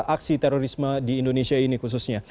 aksi terorisme di indonesia ini khususnya